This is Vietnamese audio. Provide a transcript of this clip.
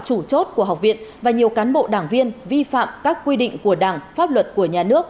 chủ chốt của học viện và nhiều cán bộ đảng viên vi phạm các quy định của đảng pháp luật của nhà nước